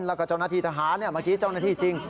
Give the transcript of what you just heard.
แล้วก็เจ้าหน้าที่ทหารเมื่อกี้เจ้าหน้าที่จริง